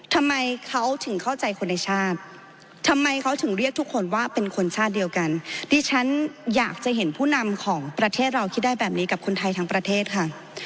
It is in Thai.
ทำไมเขาถึงเข้าใจคนในชาติทำไมเขาถึงเรียกทุกคนว่าเป็นคนชาติเดียวกันดิฉันอยากจะเห็นผู้นำของประเทศเราคิดได้แบบนี้กับคนไทยทั้งประเทศค่ะ